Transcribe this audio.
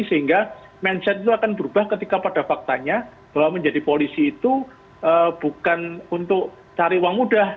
sehingga mindset itu akan berubah ketika pada faktanya bahwa menjadi polisi itu bukan untuk cari uang mudah